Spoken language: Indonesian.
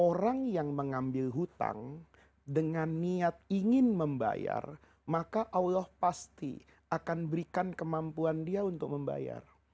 orang yang mengambil hutang dengan niat ingin membayar maka allah pasti akan berikan kemampuan dia untuk membayar